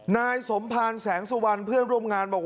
นายสมภารแสงสุวรรณเพื่อนร่วมงานบอก